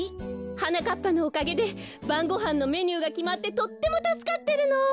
はなかっぱのおかげでばんごはんのメニューがきまってとってもたすかってるの。